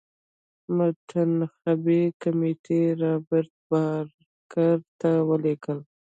منتخبي کمېټې رابرټ بارکر ته ولیکل.